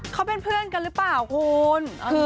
เขาเป็นเพื่อนกันหรือเปล่าคุณ